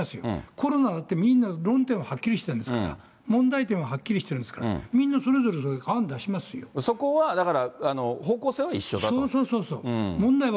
コロナだって、みんな論点ははっきりしてるんだから、問題点ははっきりしてるんですから、そこはだから、方向性は一緒そうそうそうそう。